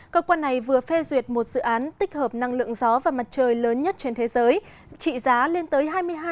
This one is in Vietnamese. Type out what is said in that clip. cơ quan này vừa phê duyệt một dự án tích hợp năng lượng gió và mặt trời lớn nhất trên thế giới